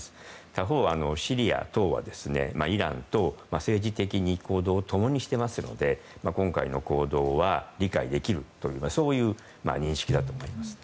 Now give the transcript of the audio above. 他方、シリア等はイランと政治的に行動を共にしていますので今回の行動は理解できるというかそういう認識だと思います。